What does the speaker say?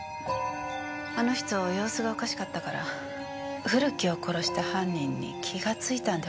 あの人様子がおかしかったから古木を殺した犯人に気がついたのではないかと。